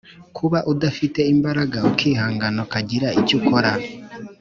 kuba udafite imbaraga ukihangana ukagira icyo ukora.